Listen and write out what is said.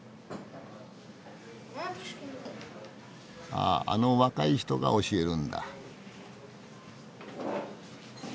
あああの若い人が教えるんだ。